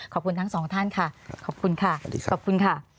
ขอบคุณทั้งสองท่านค่ะขอบคุณค่ะ